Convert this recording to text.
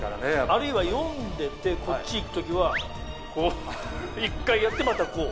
あるいは読んでてこっち行く時はこう１回やってまたこう。